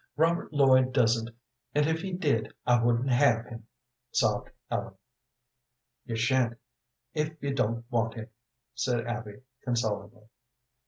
"Robert Lloyd doesn't, and if he did I wouldn't have him," sobbed Ellen. "You sha'n't if you don't want him," said Abby, consolingly.